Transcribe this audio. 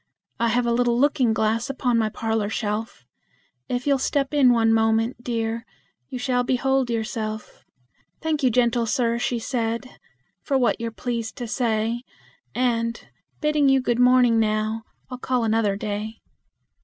I have a little looking glass upon my parlor shelf; If you'll step in one moment, dear, you shall behold yourself." "I thank you, gentle sir," she said, "for what you're pleased to say, And, bidding you good morning now, I'll call another day."